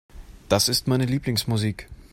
Das ist meine Lieblingsmusik.